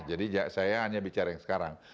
jadi saya hanya bicara yang sekarang